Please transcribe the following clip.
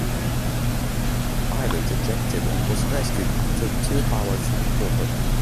The pilot ejected and was rescued after two hours in the water.